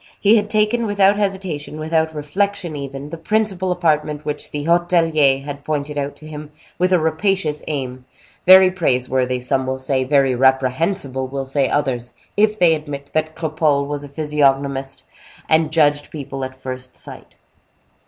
He had taken, without hesitation, without reflection even, the principal apartment which the hotelier had pointed out to him with a rapacious aim, very praiseworthy, some will say, very reprehensible will say others, if they admit that Cropole was a physiognomist, and judged people at first sight.